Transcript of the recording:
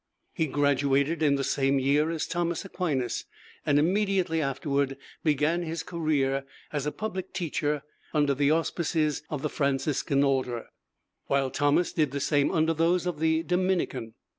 He graduated in the same year as Thomas Aquinas, and immediately afterward began his career as a public teacher under the auspices of the Franciscan order, while Thomas did the same under those of the Dominican.